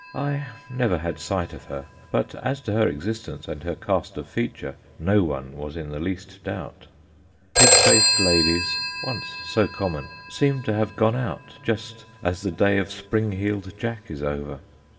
I never had sight of her, but as to her existence and her cast of feature no one was in the least doubt. Pig faced ladies (once so common) seem to have gone out, just as the day of Spring heeled Jack is over.